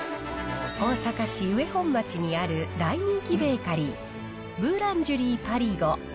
大阪市上本町にある大人気ベーカリー、ブーランジュリー・パリゴ。